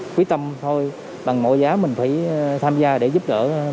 quyết tâm thôi bằng mọi giá mình phải tham gia để giúp đỡ